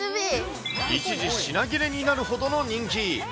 一時、品切れになるほどの人気。